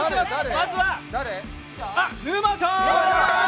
まずは沼ちゃん！